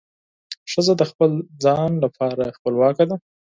ښځه د خپل ځان لپاره خپلواکه ده.